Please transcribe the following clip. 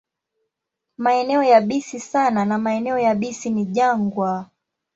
Maeneo yabisi sana na maeneo yabisi ni jangwa.